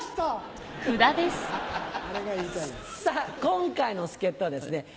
今回の助っ人はですね